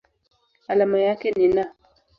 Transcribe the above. Alama yake ni Na.